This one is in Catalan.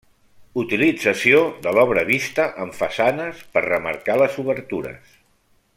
Utilització de l'obra vista en façanes per remarcar les obertures.